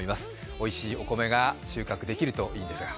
おいしいお米が収穫できるといいんですが。